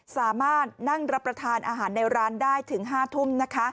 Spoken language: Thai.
สามารถนั่งรับประทานอาหารในร้านได้ถึง๕ทุ่ม